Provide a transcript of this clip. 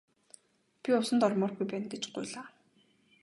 Би усанд ормооргүй байна гэж гуйлаа.